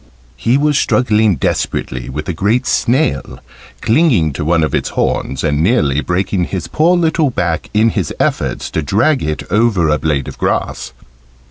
He was struggling desperately with a great snail, clinging to one of its horns, and nearly breaking his poor little back in his efforts to drag it over a blade of grass.